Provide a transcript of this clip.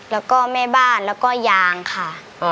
แล้วก็แม่บ้านแล้วก็ยางค่ะ